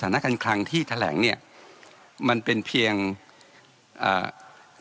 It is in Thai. ฐานะกันครั้งที่แถลงเนี่ยมันเป็นเพียงอ่า